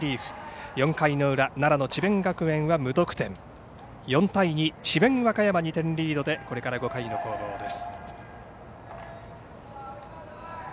奈良智弁学園２得点４対２、智弁和歌山２点リードでこれから５回の攻防です。